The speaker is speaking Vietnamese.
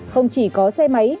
không chỉ có xe máy